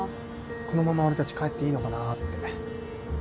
このまま俺たち帰っていいのかなって。